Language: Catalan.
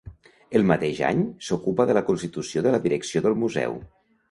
El mateix any, s'ocupa de la constitució de la direcció del Museu.